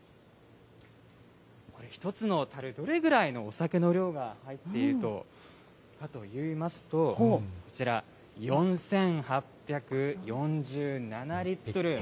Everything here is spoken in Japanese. １つのたる、どれぐらいのお酒の量が入っているかといいますと、こちら、４８４７リットル。